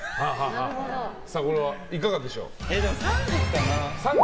これはいかがでしょう。